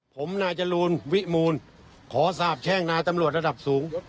ผมนายจรูลวิมูลขอสาบแช่งนายตำรวจระดับสูง